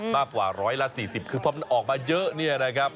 มากกว่า๑๐๐ละ๔๐คือพอมันออกมาเยอะนะครับ